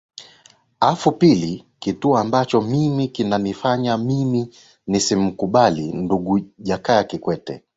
afu pili kitu ambacho mimi kinanifanya mimi nisimkubali ndugu jakaya kikwete